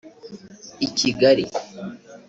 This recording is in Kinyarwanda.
i Kigali